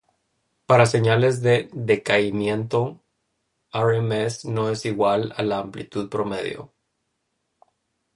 Para señales de decaimiento, rms no es igual a la amplitud promedio.